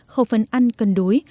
khẩu phân ăn cân đối